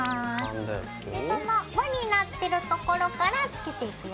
でそのわになってるところから付けていくよ。